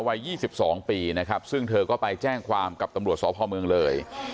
วัย๒๒ปีนะครับซึ่งเธอก็ไปแจ้งความกับตำรวจสพเมืองเลย